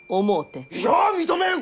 いや認めん！